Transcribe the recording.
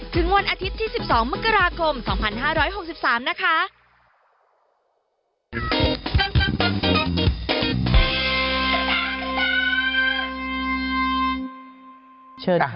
วันอาทิตย์ที่๑๒มกราคม๒๕๖๓นะคะ